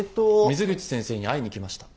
水口先生に会いに来ました。